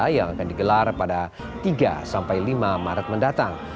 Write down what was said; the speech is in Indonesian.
yang akan digelar pada tiga sampai lima maret mendatang